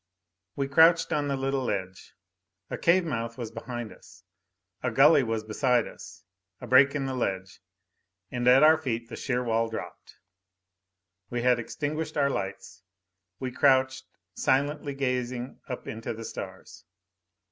We crouched on the little ledge. A cave mouth was behind us. A gully was beside us, a break in the ledge; and at our feet the sheer wall dropped. We had extinguished our lights. We crouched, silently gazing up into the stars.